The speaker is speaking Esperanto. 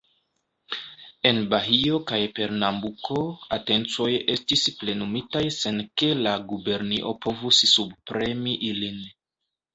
En Bahio kaj Pernambuko, atencoj estis plenumitaj sen ke la gubernio povus subpremi ilin.